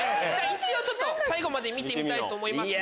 一応最後まで見てみたいと思います。